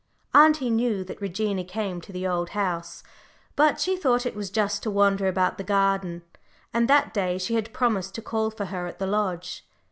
Auntie knew that Regina came to the Old House, but she thought it was just to wander about the garden, and that day she had promised to call for her at the lodge.